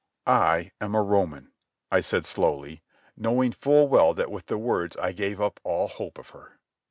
"I am a Roman," I said slowly, knowing full well that with the words I gave up all hope of her.